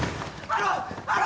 あの！